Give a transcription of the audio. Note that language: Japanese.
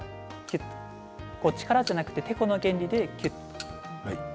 力ではなくててこの原理できゅっと。